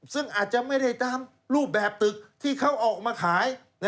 ซึ่งอาจจะไม่ได้ตามรูปแบบตึกที่เขาออกมาขาย